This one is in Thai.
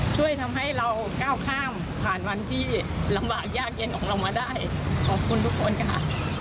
ช่วยทำให้เราก้าวข้ามผ่านวันที่ลำบากยากเย็นของเรามาได้ขอบคุณทุกคนค่ะ